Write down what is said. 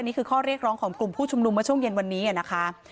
นี่คือข้อเรียกร้องของกลุ่มผู้ชุมนุมเมื่อช่วงเย็นวันนี้นะคะ